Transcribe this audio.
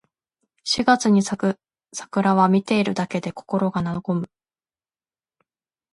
四月に咲く桜は、見ているだけで心が和む。